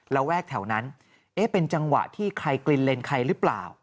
ระแวกแถวนั้นเป็นจังหวะที่ใครกลิ่นเลนใครหรือเปล่า